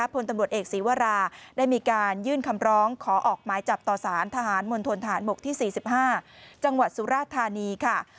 พลตำรวจเอกศีวราได้มีการยื่นคำร้องขอออกหมายจับต่อสารทหารมณฑนฐานบกที่๔๕จังหวัดสุราธานีค่ะ